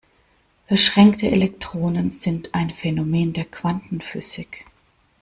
Verschränkte Elektronen sind ein Phänomen der Quantenphysik.